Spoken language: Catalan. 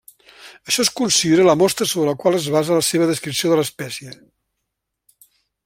Això es considera la mostra sobre la qual es basa la seva descripció de l'espècie.